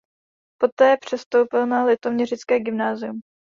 Poté přestoupil na litoměřické gymnázium.